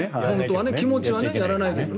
気持ちはねやらないけどね。